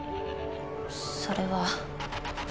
それは。